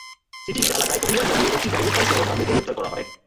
City gate এলাকায় অভিযান চালিয়ে একটি প্রাইভেট কারসহ তাঁদের গ্রেপ্তার করা হয়।